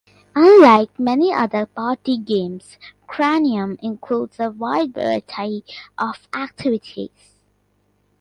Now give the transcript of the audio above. Unlike many other party games, "Cranium" includes a wide variety of activities.